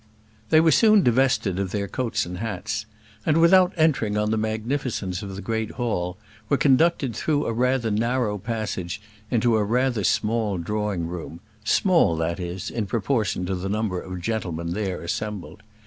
They were soon divested of their coats and hats, and, without entering on the magnificence of the great hall, were conducted through rather a narrow passage into rather a small drawing room small, that is, in proportion to the number of gentlemen there assembled.